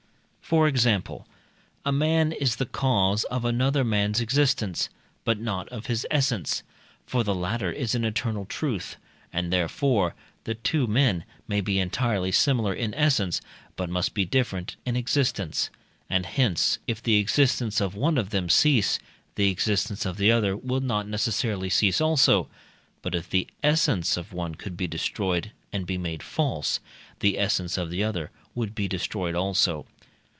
For example, a man is the cause of another man's existence, but not of his essence (for the latter is an eternal truth), and, therefore, the two men may be entirely similar in essence, but must be different in existence; and hence if the existence of one of them cease, the existence of the other will not necessarily cease also; but if the essence of one could be destroyed, and be made false, the essence of the other would be destroyed also.